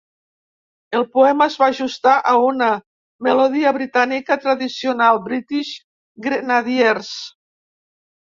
El poema es va ajustar a una melodia britànica tradicional, "British Grenadiers".